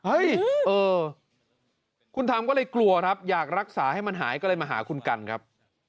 เออคุณทำก็เลยกลัวครับอยากรักษาให้มันหายก็เลยมาหาคุณกันครับ